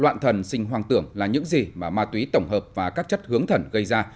loạn thần sinh hoang tưởng là những gì mà ma túy tổng hợp và các chất hướng thần gây ra